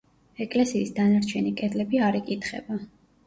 ეკლესიის დანარჩენი კედლები არ იკითხება.